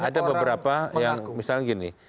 ada beberapa yang misalnya gini